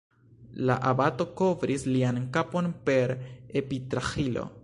La abato kovris lian kapon per epitraĥilo.